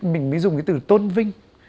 mình mới dùng cái từ tôn vinh